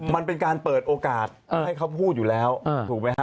มันเป็นการเปิดโอกาสให้เขาพูดอยู่แล้วถูกไหมฮะ